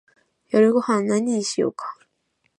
夜ごはんは何にしようか